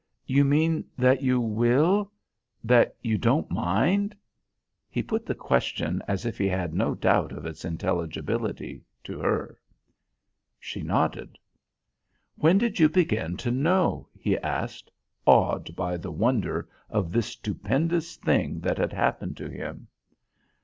"You mean that you will that you don't mind?" He put the question as if he had no doubt of its intelligibility to her. She nodded. "When did you begin to know?" he asked, awed by the wonder of this stupendous thing that had happened to him.